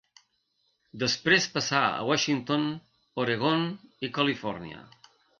Després passà a Washington, Oregon i Califòrnia.